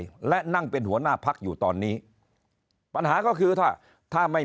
และนั่งเป็นหัวหน้าพักอยู่ตอนนี้ปัญหาก็คือถ้าถ้าไม่